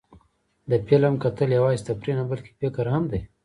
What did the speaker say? د فلم کتل یوازې تفریح نه، بلکې فکر هم دی.